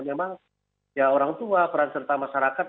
memang ya orang tua peran serta masyarakat